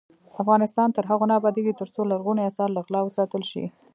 افغانستان تر هغو نه ابادیږي، ترڅو لرغوني اثار له غلا وساتل شي.